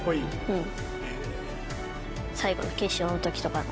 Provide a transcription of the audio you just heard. うん。